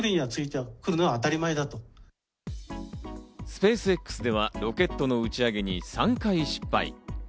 スペースＸではロケットの打ち上げに３回失敗。